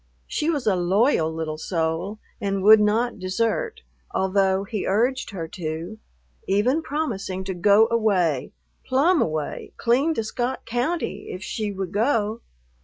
She was a loyal little soul and would not desert, although he urged her to, even promising to go away, "plumb away, clean to Scott County if she would go."